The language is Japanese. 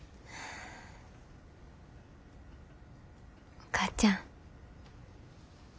お母ちゃん。